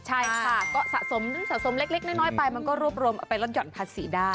ใช่ค่ะก็สะสมสะสมเล็กน้อยไปมันก็รวบรวมเอาไปลดห่อนภาษีได้